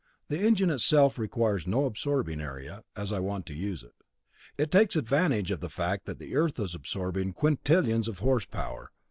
The engine itself requires no absorbing area, as I want to use it; it takes advantage of the fact that the Earth is absorbing quintillions of horsepower.